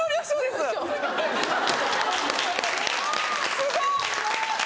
・すごっ！